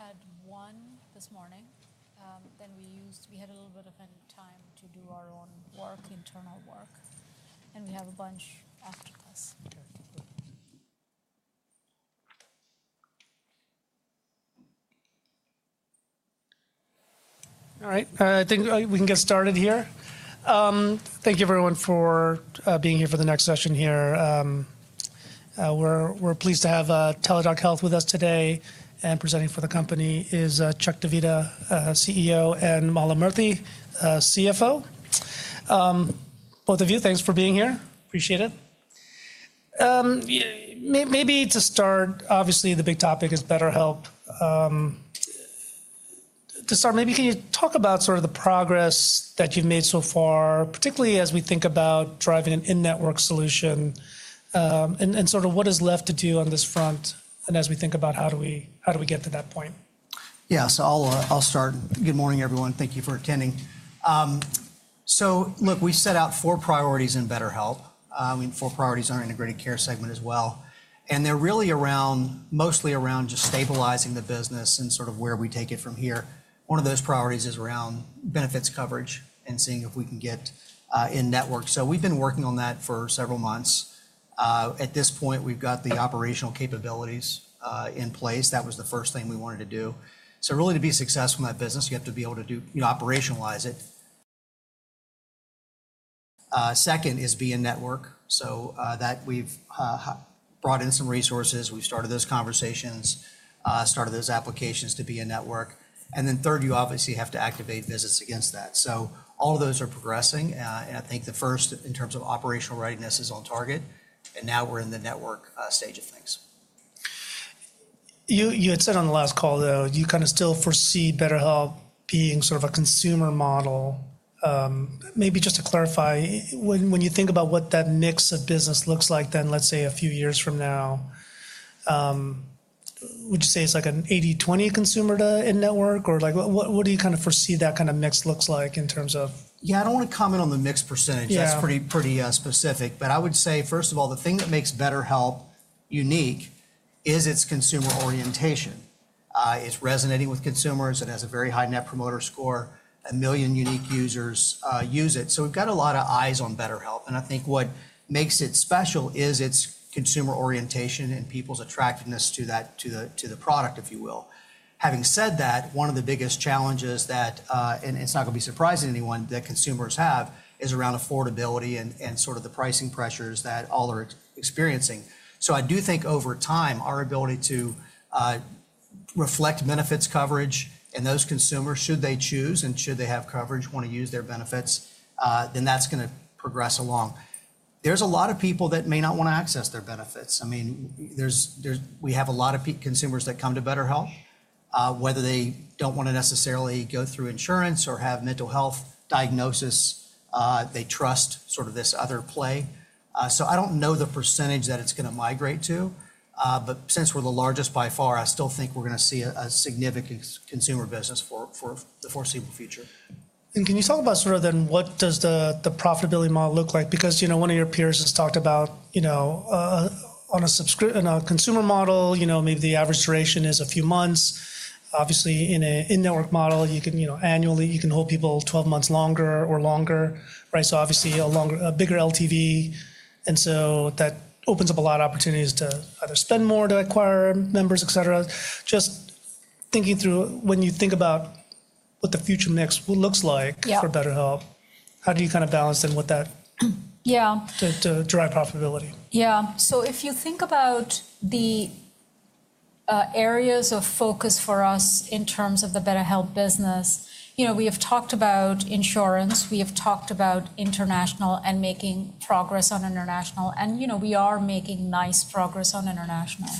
I mean, we had one this morning. Then we used—we had a little bit of time to do our own work, internal work, and we have a bunch after class. All right. I think we can get started here. Thank you, everyone, for being here for the next session here. We're pleased to have Teladoc Health with us today. Presenting for the company is Chuck Divita, CEO, and Mala Murthy, CFO. Both of you, thanks for being here. Appreciate it. Maybe to start, obviously, the big topic is BetterHelp. To start, maybe can you talk about sort of the progress that you've made so far, particularly as we think about driving an in-network solution, and sort of what is left to do on this front? As we think about how do we—how do we get to that point? Yeah, I'll start. Good morning, everyone. Thank you for attending. Look, we set out four priorities in BetterHelp. I mean, four priorities on our Integrated Care segment as well. They're really around, mostly around just stabilizing the business and sort of where we take it from here. One of those priorities is around benefits coverage and seeing if we can get in network. We've been working on that for several months. At this point, we've got the operational capabilities in place. That was the first thing we wanted to do. Really, to be successful in that business, you have to be able to operationalize it. Second is be in network. We've brought in some resources. We've started those conversations, started those applications to be in network. Then third, you obviously have to activate visits against that. All of those are progressing. I think the first, in terms of operational readiness, is on target. Now we're in the network stage of things. You had said on the last call, though, you kind of still foresee BetterHelp being sort of a consumer model. Maybe just to clarify, when you think about what that mix of business looks like then, let's say, a few years from now, would you say it's like an 80/20 consumer to in-network? Or, like, what do you kind of foresee that kind of mix looks like in terms of? Yeah, I don't want to comment on the mix percentage. Yeah. That's pretty, pretty specific. I would say, first of all, the thing that makes BetterHelp unique is its consumer orientation. It's resonating with consumers. It has a very high net promoter score. A million unique users use it. We've got a lot of eyes on BetterHelp. I think what makes it special is its consumer orientation and people's attractiveness to that—to the product, if you will. Having said that, one of the biggest challenges that, and it's not going to be surprising to anyone, that consumers have is around affordability and sort of the pricing pressures that all are experiencing. I do think over time, our ability to reflect benefits coverage and those consumers, should they choose and should they have coverage, want to use their benefits, then that's going to progress along. There's a lot of people that may not want to access their benefits. I mean, there's—we have a lot of consumers that come to BetterHelp, whether they don't want to necessarily go through insurance or have mental health diagnosis. They trust sort of this other play. I don't know the percentage that it's going to migrate to. Since we're the largest by far, I still think we're going to see a significant consumer business for the foreseeable future. Can you talk about sort of then what does the, the profitability model look like? Because, you know, one of your peers has talked about, you know, on a subscri—on a consumer model, you know, maybe the average duration is a few months. Obviously, in a in-network model, you can, you know, annually, you can hold people 12 months longer or longer, right? Obviously, a longer—a bigger LTV. That opens up a lot of opportunities to either spend more to acquire members, etc. Just thinking through, when you think about what the future mix looks like. Yeah. For BetterHelp, how do you kind of balance then with that? Yeah. To drive profitability? Yeah. If you think about the areas of focus for us in terms of the BetterHelp business, you know, we have talked about insurance. We have talked about international and making progress on international. You know, we are making nice progress on international.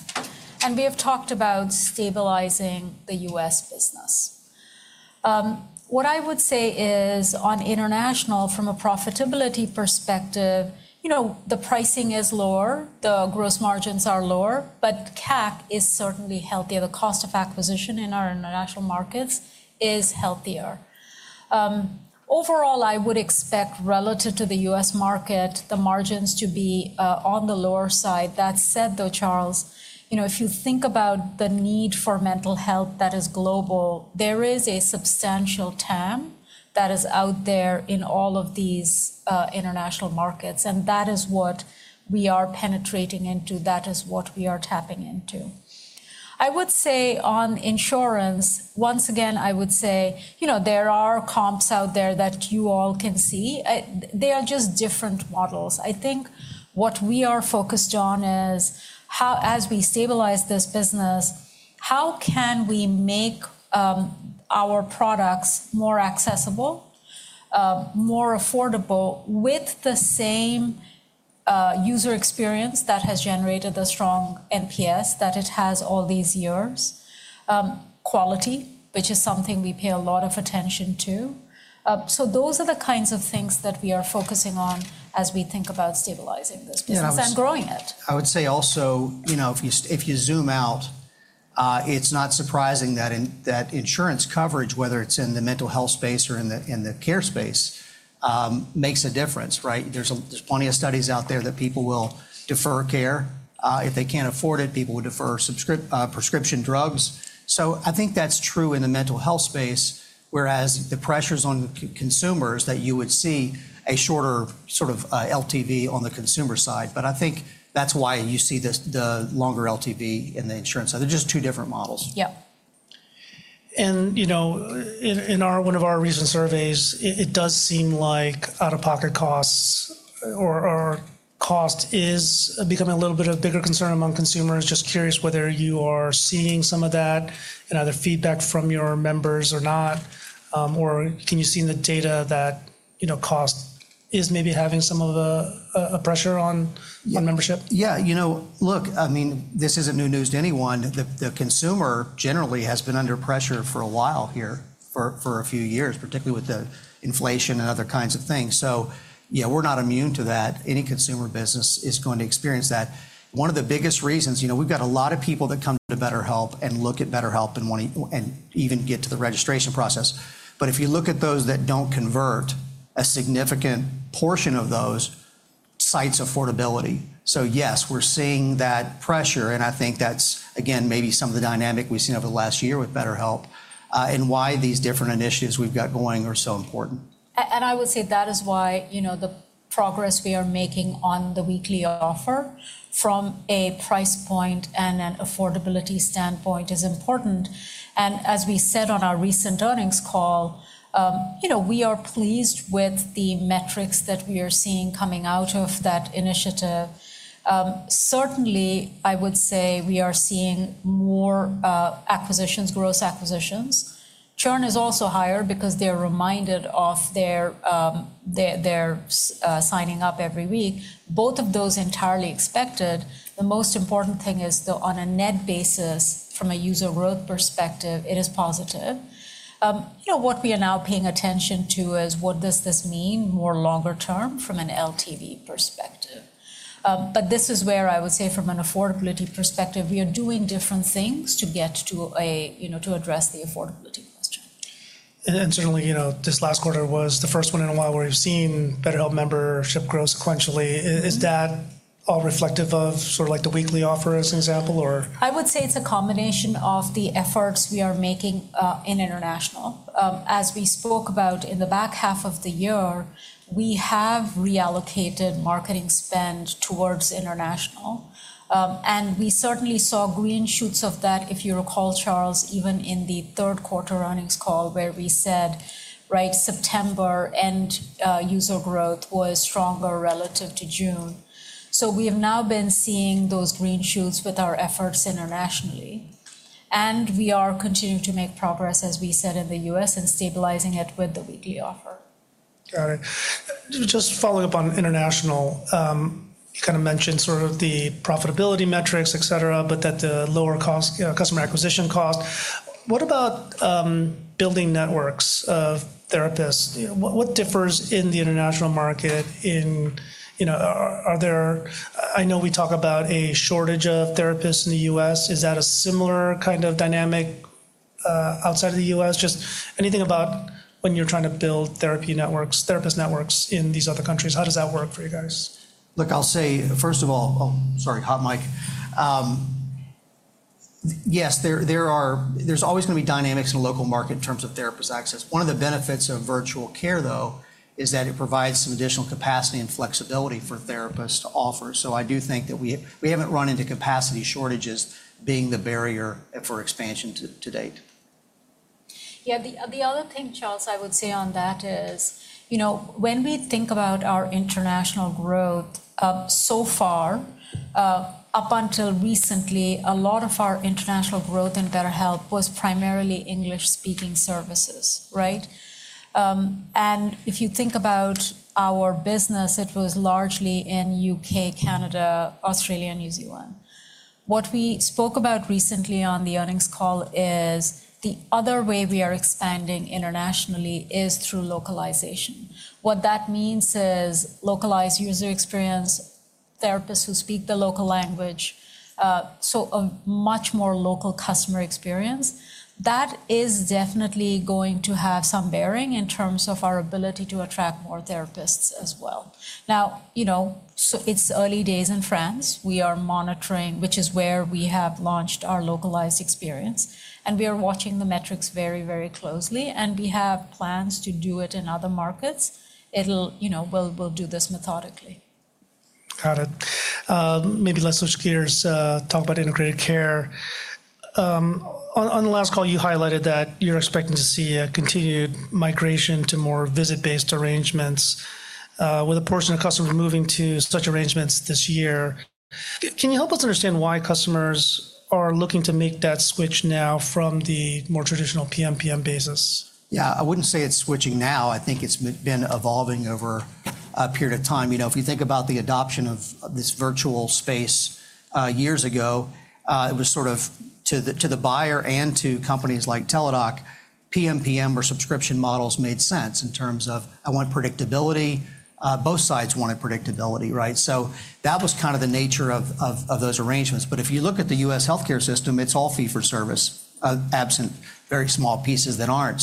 We have talked about stabilizing the U.S. business. What I would say is, on international, from a profitability perspective, the pricing is lower. The gross margins are lower. CAC is certainly healthier. The cost of acquisition in our international markets is healthier. Overall, I would expect, relative to the U.S. market, the margins to be on the lower side. That said, though, Charles, you know, if you think about the need for mental health that is global, there is a substantial TAM that is out there in all of these international markets. That is what we are penetrating into. That is what we are tapping into. I would say, on insurance, once again, I would say, you know, there are comps out there that you all can see. They are just different models. I think what we are focused on is how, as we stabilize this business, how can we make our products more accessible, more affordable with the same user experience that has generated the strong NPS that it has all these years, quality, which is something we pay a lot of attention to. Those are the kinds of things that we are focusing on as we think about stabilizing this business and growing it. Yeah, I would say, I would say also, you know, if you—if you zoom out, it's not surprising that insurance coverage, whether it's in the mental health space or in the care space, makes a difference, right? There's a—there's plenty of studies out there that people will defer care. If they can't afford it, people will defer prescription drugs. I think that's true in the mental health space, whereas the pressures on consumers that you would see a shorter sort of, LTV on the consumer side. I think that's why you see the longer LTV in the insurance side. They're just two different models. Yeah. You know, in one of our recent surveys, it does seem like out-of-pocket costs or cost is becoming a little bit of a bigger concern among consumers. Just curious whether you are seeing some of that in either feedback from your members or not. Can you see in the data that, you know, cost is maybe having some pressure on membership? Yeah, you know, look, I mean, this isn't new news to anyone. The consumer generally has been under pressure for a while here for a few years, particularly with the inflation and other kinds of things. Yeah, we're not immune to that. Any consumer business is going to experience that. One of the biggest reasons, you know, we've got a lot of people that come to BetterHelp and look at BetterHelp and want to, and even get to the registration process. If you look at those that don't convert, a significant portion of those cites affordability. Yes, we're seeing that pressure. I think that's, again, maybe some of the dynamic we've seen over the last year with BetterHelp, and why these different initiatives we've got going are so important. I would say that is why, you know, the progress we are making on the weekly offer from a price point and an affordability standpoint is important. As we said on our recent earnings call, you know, we are pleased with the metrics that we are seeing coming out of that initiative. Certainly, I would say we are seeing more acquisitions, gross acquisitions. Churn is also higher because they're reminded of their signing up every week. Both of those entirely expected. The most important thing is, though, on a net basis, from a user growth perspective, it is positive. You know, what we are now paying attention to is, what does this mean more longer term from an LTV perspective? This is where I would say, from an affordability perspective, we are doing different things to get to a, you know, to address the affordability question. Certainly, you know, this last quarter was the first one in a while where we've seen BetterHelp membership grow sequentially. Is that all reflective of sort of, like, the weekly offer, as an example, or? I would say it's a combination of the efforts we are making in international. As we spoke about in the back half of the year, we have reallocated marketing spend towards international. We certainly saw green shoots of that, if you recall, Charles, even in the third quarter earnings call, where we said, right, September end, user growth was stronger relative to June. We have now been seeing those green shoots with our efforts internationally. We are continuing to make progress, as we said, in the U.S. and stabilizing it with the weekly offer. Got it. Just following up on international, you kind of mentioned sort of the profitability metrics, etc., but that the lower cost, customer acquisition cost. What about, building networks of therapists? You know, what differs in the international market in, you know, are there—I know we talk about a shortage of therapists in the U.S. Is that a similar kind of dynamic, outside of the U.S.? Just anything about when you're trying to build therapy networks, therapist networks in these other countries? How does that work for you guys? Look, I'll say, first of all, oh, sorry, hot mic. Yes, there are—there's always going to be dynamics in the local market in terms of therapist access. One of the benefits of virtual care, though, is that it provides some additional capacity and flexibility for therapists to offer. I do think that we haven't run into capacity shortages being the barrier for expansion to date. Yeah, the other thing, Charles, I would say on that is, you know, when we think about our international growth, so far, up until recently, a lot of our international growth in BetterHelp was primarily English-speaking services, right? If you think about our business, it was largely in the U.K., Canada, Australia, and New Zealand. What we spoke about recently on the earnings call is the other way we are expanding internationally is through localization. What that means is localized user experience, therapists who speak the local language, so a much more local customer experience. That is definitely going to have some bearing in terms of our ability to attract more therapists as well. Now, you know, it's early days in France. We are monitoring, which is where we have launched our localized experience. We are watching the metrics very, very closely. We have plans to do it in other markets. You know, we'll do this methodically. Got it. Maybe let's switch gears, talk about Integrated Care. On the last call, you highlighted that you're expecting to see a continued migration to more visit-based arrangements, with a portion of customers moving to such arrangements this year. Can you help us understand why customers are looking to make that switch now from the more traditional PMPM basis? Yeah, I wouldn't say it's switching now. I think it's been evolving over a period of time. You know, if you think about the adoption of this virtual space, years ago, it was sort of to the, to the buyer and to companies like Teladoc, PMPM or subscription models made sense in terms of, I want predictability. Both sides wanted predictability, right? So that was kind of the nature of those arrangements. If you look at the U.S. healthcare system, it's all fee-for-service, absent very small pieces that aren't.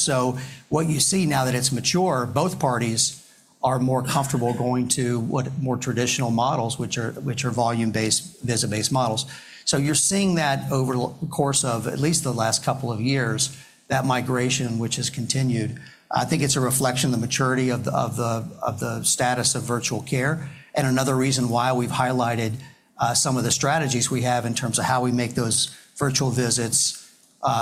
What you see now that it's mature, both parties are more comfortable going to what more traditional models, which are volume-based, visit-based models. You're seeing that over the course of at least the last couple of years, that migration, which has continued, I think it's a reflection of the maturity of the status of virtual care. Another reason why we've highlighted some of the strategies we have in terms of how we make those virtual visits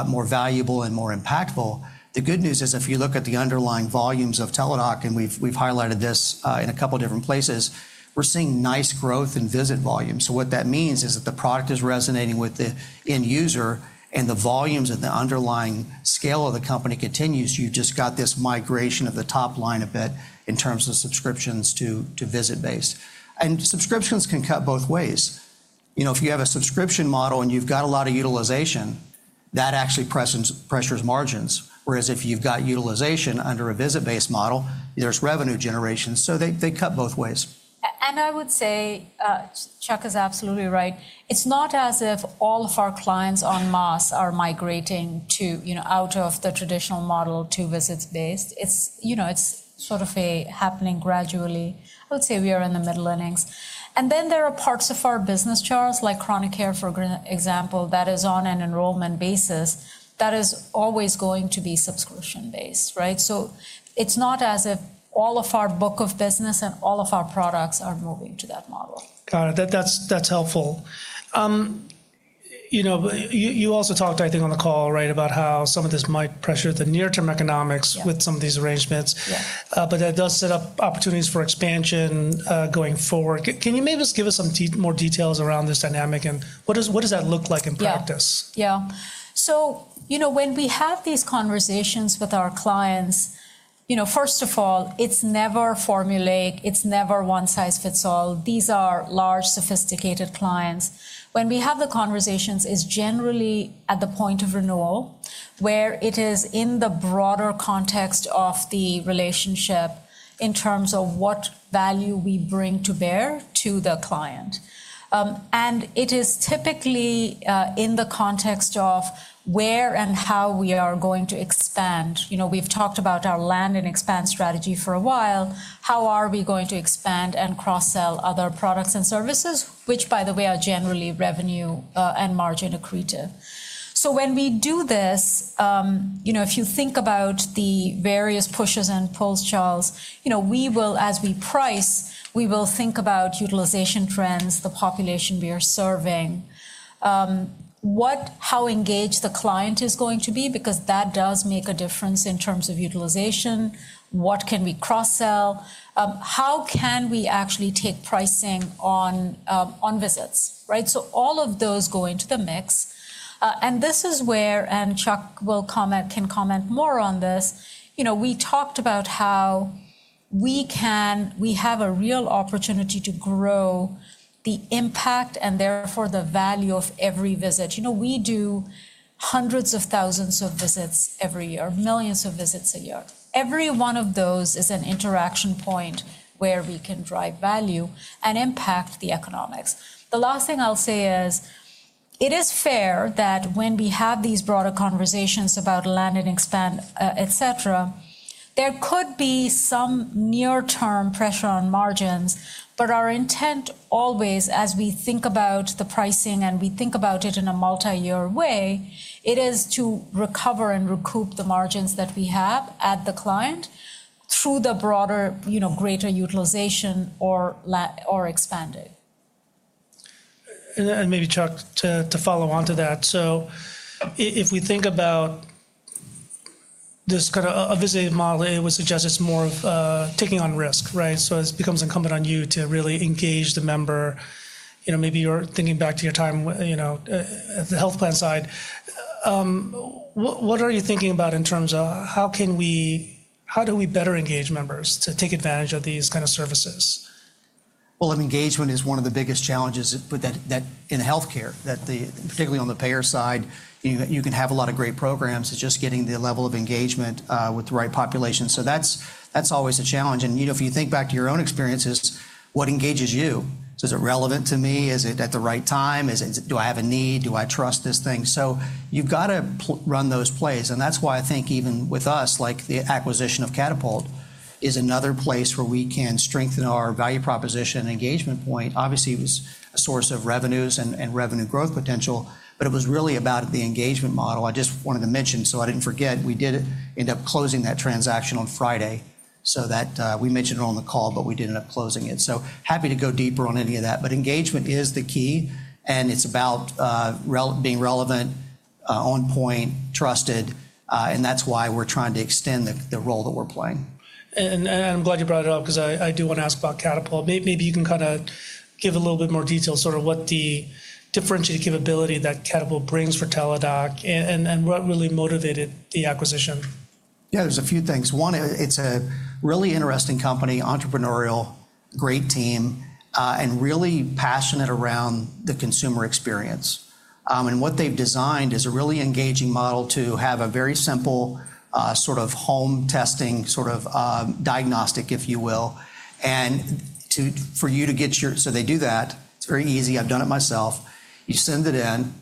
more valuable and more impactful. The good news is, if you look at the underlying volumes of Teladoc, and we've highlighted this in a couple of different places, we're seeing nice growth in visit volume. What that means is that the product is resonating with the end user, and the volumes of the underlying scale of the company continues. You've just got this migration of the top line a bit in terms of subscriptions to visit-based. Subscriptions can cut both ways. You know, if you have a subscription model and you've got a lot of utilization, that actually pressures margins. Whereas if you've got utilization under a visit-based model, there's revenue generation. They cut both ways. I would say, Chuck is absolutely right. It's not as if all of our clients en masse are migrating to, you know, out of the traditional model to visits-based. It's, you know, it's sort of happening gradually. I would say we are in the middle innings. There are parts of our business, Charles, like Chronic Care, for example, that is on an enrollment basis that is always going to be subscription-based, right? It's not as if all of our book of business and all of our products are moving to that model. Got it. That's helpful. You know, you also talked, I think, on the call, right, about how some of this might pressure the near-term economics with some of these arrangements. Yeah. but that does set up opportunities for expansion, going forward. Can you maybe just give us some more details around this dynamic and what does, what does that look like in practice? Yeah, yeah. You know, when we have these conversations with our clients, first of all, it's never formulaic. It's never one size fits all. These are large, sophisticated clients. When we have the conversations, it's generally at the point of renewal, where it is in the broader context of the relationship in terms of what value we bring to bear to the client. It is typically in the context of where and how we are going to expand. You know, we've talked about our land and expand strategy for a while. How are we going to expand and cross-sell other products and services, which, by the way, are generally revenue and margin accretive? When we do this, you know, if you think about the various pushes and pulls, Charles, you know, we will, as we price, we will think about utilization trends, the population we are serving, what, how engaged the client is going to be, because that does make a difference in terms of utilization. What can we cross-sell? How can we actually take pricing on, on visits, right? All of those go into the mix. This is where, and Chuck will comment, can comment more on this. You know, we talked about how we can, we have a real opportunity to grow the impact and therefore the value of every visit. You know, we do hundreds of thousands of visits every year, millions of visits a year. Every one of those is an interaction point where we can drive value and impact the economics. The last thing I'll say is, it is fair that when we have these broader conversations about land and expand, etc., there could be some near-term pressure on margins, but our intent always, as we think about the pricing and we think about it in a multi-year way, it is to recover and recoup the margins that we have at the client through the broader, you know, greater utilization or la or expanded. Maybe, Chuck, to follow on to that. If we think about this kind of a visiting model, it would suggest it's more of taking on risk, right? It becomes incumbent on you to really engage the member. You know, maybe you're thinking back to your time at the health plan side. What are you thinking about in terms of how can we, how do we better engage members to take advantage of these kind of services? Engagement is one of the biggest challenges, but that, that in healthcare, that the, particularly on the payer side, you know, you can have a lot of great programs that just getting the level of engagement, with the right population. That is always a challenge. And, you know, if you think back to your own experiences, what engages you? Is it relevant to me? Is it at the right time? Is it, do I have a need? Do I trust this thing? You have to run those plays. That is why I think even with us, like the acquisition of Catapult is another place where we can strengthen our value proposition and engagement point. Obviously, it was a source of revenues and, and revenue growth potential, but it was really about the engagement model. I just wanted to mention, so I didn't forget, we did end up closing that transaction on Friday. We mentioned it on the call, but we did end up closing it. Happy to go deeper on any of that. Engagement is the key, and it's about being relevant, on point, trusted, and that's why we're trying to extend the role that we're playing. I'm glad you brought it up because I do want to ask about Catapult. Maybe you can kind of give a little bit more detail, sort of what the differentiated capability that Catapult brings for Teladoc and what really motivated the acquisition. Yeah, there's a few things. One, it's a really interesting company, entrepreneurial, great team, and really passionate around the consumer experience. What they've designed is a really engaging model to have a very simple, sort of home testing, sort of diagnostic, if you will, for you to get your, so they do that. It's very easy. I've done it myself. You send it in,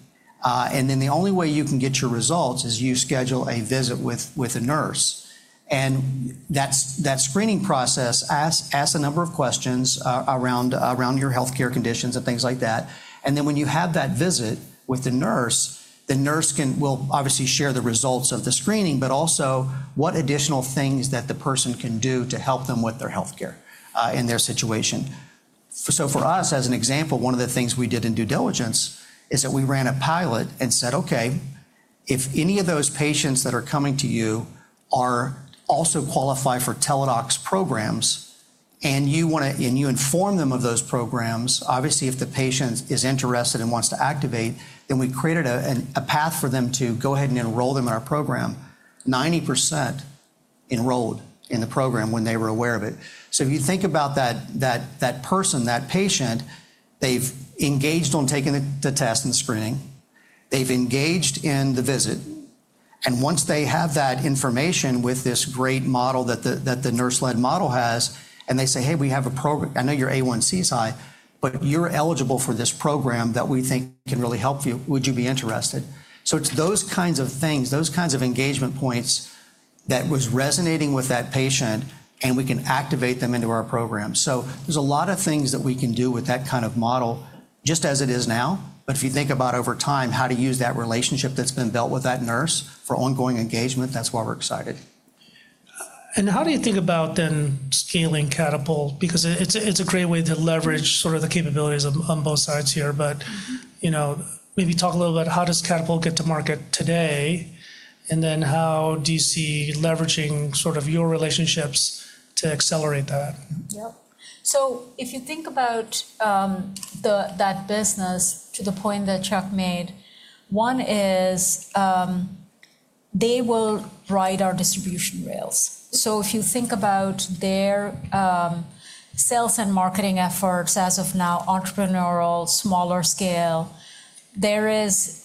and then the only way you can get your results is you schedule a visit with a nurse. That screening process asks a number of questions around your healthcare conditions and things like that. When you have that visit with the nurse, the nurse will obviously share the results of the screening, but also what additional things the person can do to help them with their healthcare in their situation. For us, as an example, one of the things we did in due diligence is that we ran a pilot and said, okay, if any of those patients that are coming to you are also qualified for Teladoc's programs and you want to, and you inform them of those programs, obviously, if the patient is interested and wants to activate, then we created a path for them to go ahead and enroll them in our program. 90% enrolled in the program when they were aware of it. If you think about that, that person, that patient, they've engaged on taking the test and the screening. They've engaged in the visit. Once they have that information with this great model that the nurse-led model has, and they say, hey, we have a program, I know your A1C is high, but you're eligible for this program that we think can really help you. Would you be interested? It is those kinds of things, those kinds of engagement points that was resonating with that patient, and we can activate them into our program. There is a lot of things that we can do with that kind of model, just as it is now. If you think about over time, how to use that relationship that's been built with that nurse for ongoing engagement, that's why we're excited. How do you think about then scaling Catapult? Because it's a great way to leverage sort of the capabilities on both sides here. You know, maybe talk a little about how does Catapult get to market today, and then how do you see leveraging sort of your relationships to accelerate that? Yep. If you think about that business, to the point that Chuck made, one is, they will ride our distribution rails. If you think about their sales and marketing efforts as of now, entrepreneurial, smaller scale, there is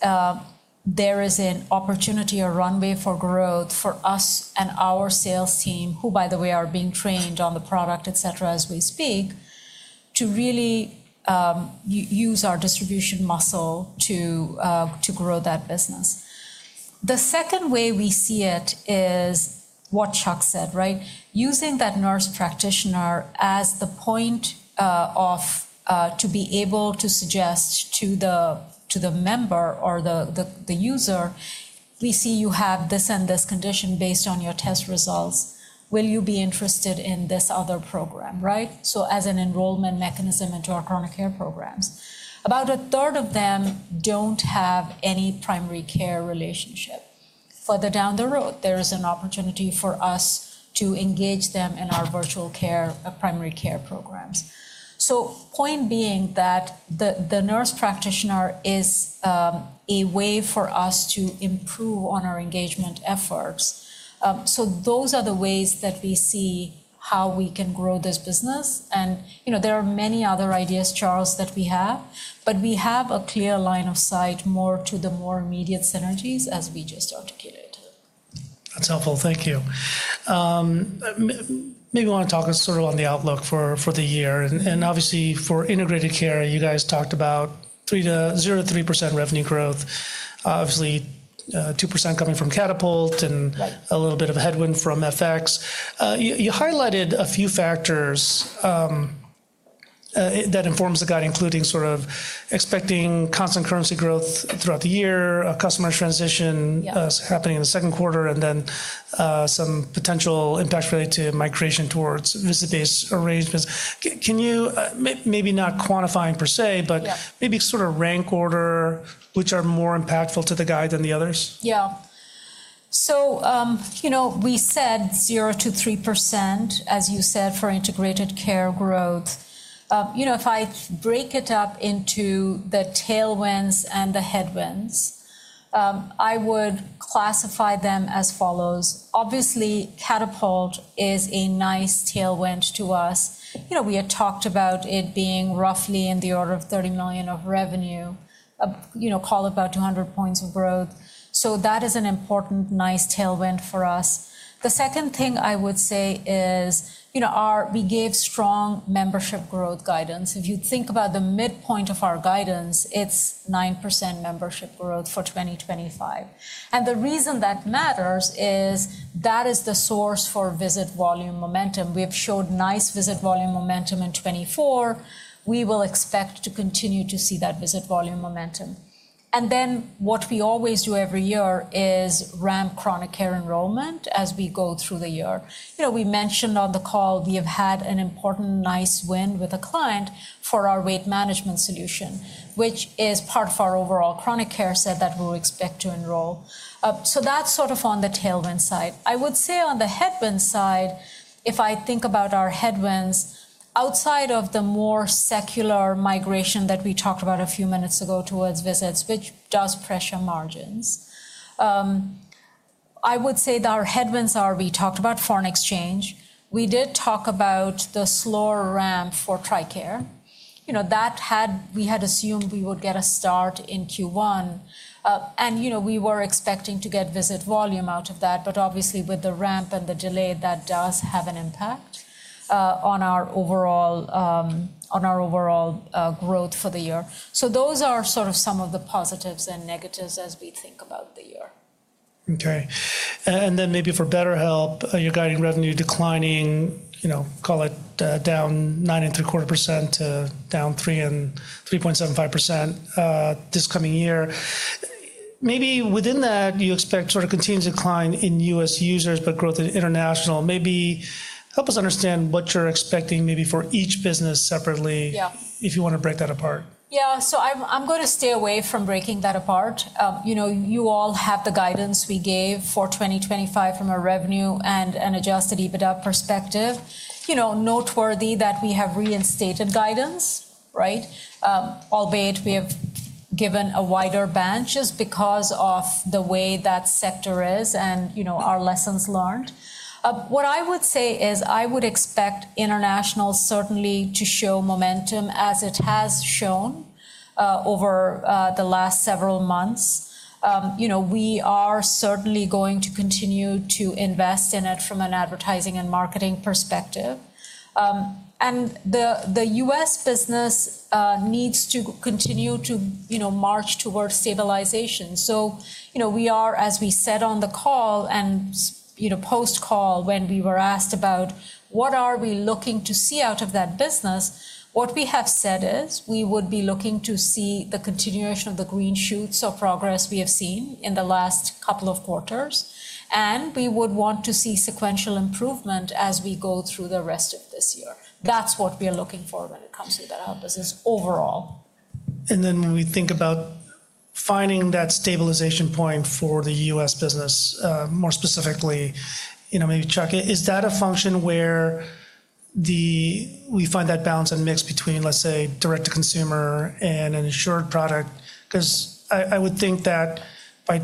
an opportunity or runway for growth for us and our sales team, who, by the way, are being trained on the product, etc., as we speak, to really use our distribution muscle to grow that business. The second way we see it is what Chuck said, right? Using that nurse practitioner as the point to be able to suggest to the member or the user, we see you have this and this condition based on your test results. Will you be interested in this other program, right? As an enrollment mechanism into our Chronic Care programs, about a third of them do not have any primary care relationship. Further down the road, there is an opportunity for us to engage them in our virtual care, primary care programs. The point being that the nurse practitioner is a way for us to improve on our engagement efforts. Those are the ways that we see how we can grow this business. You know, there are many other ideas, Charles, that we have, but we have a clear line of sight more to the more immediate synergies as we just articulated. That's helpful. Thank you. Maybe you want to talk us sort of on the outlook for the year. And obviously for Integrated Care, you guys talked about zero to 3% revenue growth, obviously, 2% coming from Catapult and a little bit of a headwind from FX. You highlighted a few factors that informs the guide, including sort of expecting constant currency growth throughout the year, a customer transition happening in the second quarter, and then some potential impact related to migration towards visit-based arrangements. Can you, maybe not quantifying per se, but maybe sort of rank order which are more impactful to the guide than the others? Yeah. You know, we said zero to 3%, as you said, for integrated care growth. You know, if I break it up into the tailwinds and the headwinds, I would classify them as follows. Obviously, Catapult is a nice tailwind to us. You know, we had talked about it being roughly in the order of $30 million of revenue, you know, call about 200 basis points of growth. That is an important nice tailwind for us. The second thing I would say is, you know, we gave strong membership growth guidance. If you think about the midpoint of our guidance, it is 9% membership growth for 2025. The reason that matters is that is the source for visit volume momentum. We have showed nice visit volume momentum in 2024. We will expect to continue to see that visit volume momentum. What we always do every year is ramp chronic care enrollment as we go through the year. You know, we mentioned on the call, we have had an important nice win with a client for our Weight Management Solution, which is part of our overall Chronic Care set that we will expect to enroll. That is sort of on the tailwind side. I would say on the headwind side, if I think about our headwinds outside of the more secular migration that we talked about a few minutes ago towards visits, which does pressure margins, I would say that our headwinds are, we talked about foreign exchange. We did talk about the slower ramp for TRICARE. You know, we had assumed we would get a start in Q1. And, you know, we were expecting to get visit volume out of that, but obviously with the ramp and the delay, that does have an impact on our overall, on our overall growth for the year. So those are sort of some of the positives and negatives as we think about the year. Okay. Maybe for BetterHelp, your guiding revenue declining, you know, call it, down 9.75% to down 3.75% this coming year. Maybe within that, you expect sort of continued decline in U.S. users, but growth in international. Maybe help us understand what you're expecting maybe for each business separately. Yeah. If you want to break that apart. Yeah. I'm going to stay away from breaking that apart. You know, you all have the guidance we gave for 2025 from a revenue and an adjusted EBITDA perspective. You know, noteworthy that we have reinstated guidance, right? Albeit we have given a wider bench is because of the way that sector is and, you know, our lessons learned. What I would say is I would expect international certainly to show momentum as it has shown over the last several months. You know, we are certainly going to continue to invest in it from an advertising and marketing perspective. And the U.S. business needs to continue to, you know, march towards stabilization. You know, we are, as we said on the call and, you know, post-call when we were asked about what are we looking to see out of that business, what we have said is we would be looking to see the continuation of the green shoots of progress we have seen in the last couple of quarters. We would want to see sequential improvement as we go through the rest of this year. That is what we are looking for when it comes to that business overall. When we think about finding that stabilization point for the U.S. business, more specifically, you know, maybe Chuck, is that a function where we find that balance and mix between, let's say, direct-to-consumer and an insured product? Because I would think that by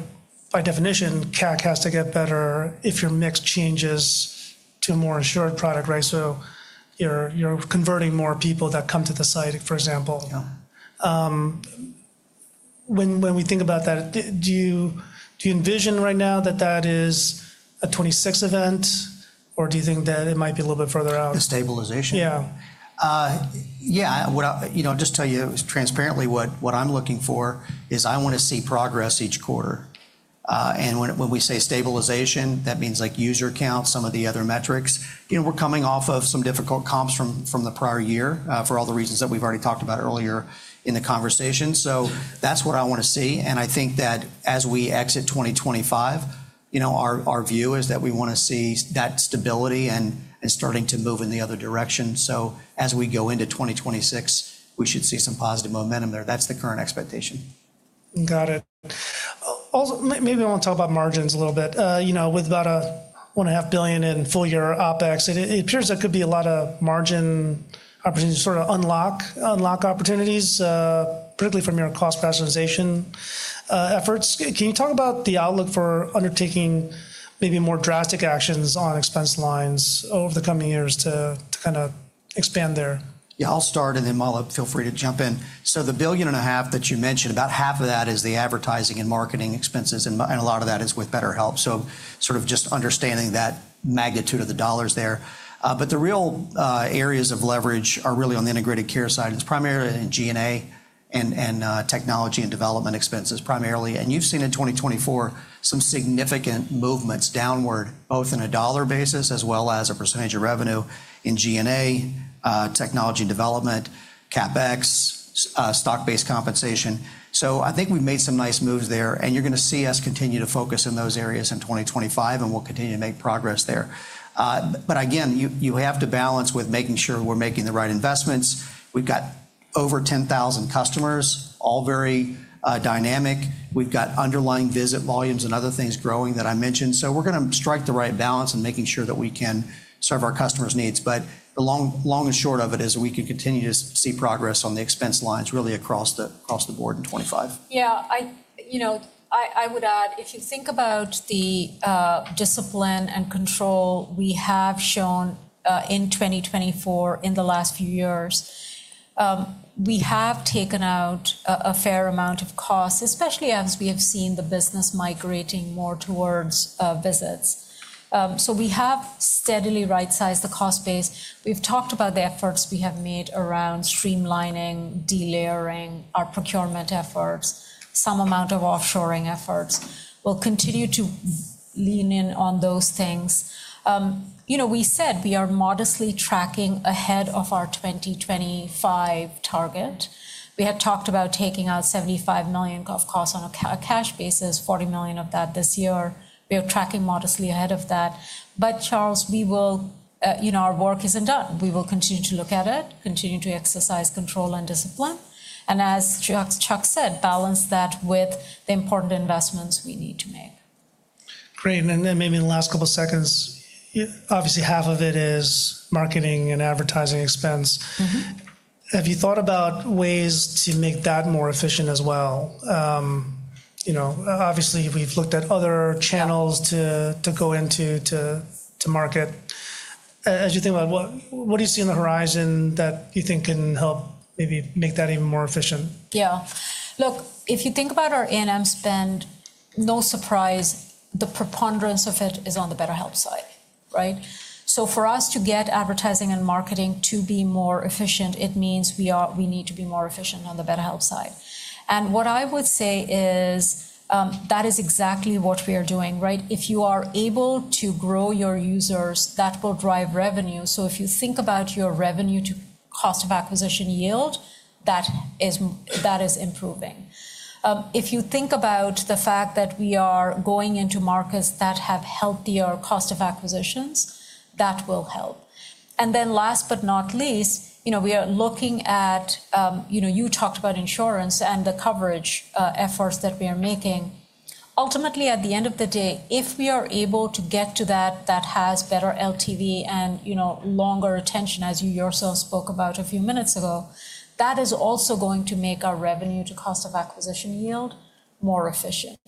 definition, CAC has to get better if your mix changes to a more insured product, right? So you're converting more people that come to the site, for example. When we think about that, do you envision right now that that is a 2026 event, or do you think that it might be a little bit further out? The stabilization? Yeah. Yeah, what I, you know, I'll just tell you transparently what I'm looking for is I want to see progress each quarter. When we say stabilization, that means like user counts, some of the other metrics, you know, we're coming off of some difficult comps from the prior year, for all the reasons that we've already talked about earlier in the conversation. That's what I want to see. I think that as we exit 2025, you know, our view is that we want to see that stability and starting to move in the other direction. As we go into 2026, we should see some positive momentum there. That's the current expectation. Got it. Also, maybe I want to talk about margins a little bit. You know, with about $1.5 billion in full year OpEx, it appears there could be a lot of margin opportunities to sort of unlock opportunities, particularly from your cost rationalization efforts. Can you talk about the outlook for undertaking maybe more drastic actions on expense lines over the coming years to kind of expand there? Yeah, I'll start and then Mala, feel free to jump in. The billion and a half that you mentioned, about half of that is the advertising and marketing expenses, and a lot of that is with BetterHelp. Just understanding that magnitude of the dollars there, the real areas of leverage are really on the Integrated Care side. It's primarily in G&A and technology and development expenses primarily. You've seen in 2024 some significant movements downward, both on a dollar basis as well as a percentage of revenue in G&A, technology and development, CapEx, stock-based compensation. I think we've made some nice moves there, and you're going to see us continue to focus in those areas in 2025, and we'll continue to make progress there. Again, you have to balance with making sure we're making the right investments. We've got over 10,000 customers, all very dynamic. We've got underlying visit volumes and other things growing that I mentioned. We are going to strike the right balance and making sure that we can serve our customers' needs. The long and short of it is we can continue to see progress on the expense lines really across the board in 2025. Yeah, I, you know, I would add if you think about the discipline and control we have shown in 2024 in the last few years, we have taken out a fair amount of costs, especially as we have seen the business migrating more towards visits. We have steadily right-sized the cost base. We've talked about the efforts we have made around streamlining, delayering our procurement efforts, some amount of offshoring efforts. We'll continue to lean in on those things. You know, we said we are modestly tracking ahead of our 2025 target. We had talked about taking out $75 million of costs on a cash basis, $40 million of that this year. We are tracking modestly ahead of that. Charles, we will, you know, our work isn't done. We will continue to look at it, continue to exercise control and discipline. As Chuck said, balance that with the important investments we need to make. Great. Maybe in the last couple of seconds, obviously half of it is marketing and advertising expense. Have you thought about ways to make that more efficient as well? You know, obviously we've looked at other channels to go into, to market. As you think about what, what do you see on the horizon that you think can help maybe make that even more efficient? Yeah. Look, if you think about our A&M spend, no surprise, the preponderance of it is on the BetterHelp side, right? For us to get advertising and marketing to be more efficient, it means we need to be more efficient on the BetterHelp side. What I would say is, that is exactly what we are doing, right? If you are able to grow your users, that will drive revenue. If you think about your revenue to cost of acquisition yield, that is improving. If you think about the fact that we are going into markets that have healthier cost of acquisitions, that will help. Last but not least, you know, we are looking at, you know, you talked about insurance and the coverage, efforts that we are making. Ultimately, at the end of the day, if we are able to get to that, that has better LTV and, you know, longer attention, as you yourself spoke about a few minutes ago, that is also going to make our revenue to cost of acquisition yield more efficient.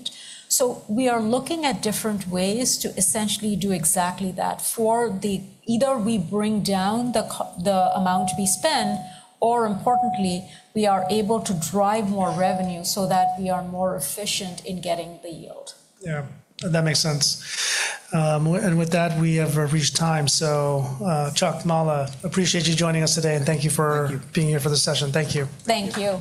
We are looking at different ways to essentially do exactly that for the, either we bring down the, the amount we spend, or importantly, we are able to drive more revenue so that we are more efficient in getting the yield. Yeah, that makes sense. With that, we have reached time. Chuck, Mala, appreciate you joining us today and thank you for being here for the session. Thank you. Thank you.